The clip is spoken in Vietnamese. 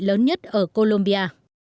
lớn nhất ở colombia